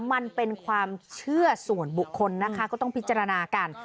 มันเป็นความเชื่อส่วนบุคคลนะคะก็ต้องพิจารณากัน